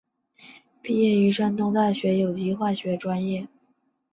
毕业于山东大学有机化学专业。